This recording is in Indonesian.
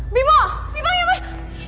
bimo bianya beh